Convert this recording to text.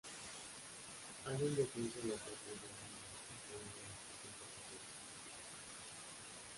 Hay un descenso en la presión sanguínea y caída de la frecuencia cardíaca.